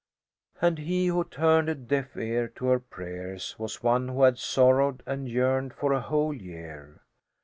And he who turned a deaf ear to her prayers was one who had sorrowed and yearned for a whole year.